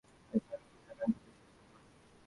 একটা সামান্য প্রজার মতো আমাকে বিচারসভায় আহ্বান!